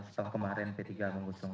setelah kemarin p tiga mengusung